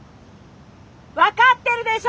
分かってるでしょ！